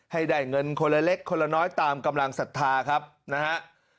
ให้ได้เงินคนละเล็กคนละน้อยตามกำลังศรัทธาครับนะฮะ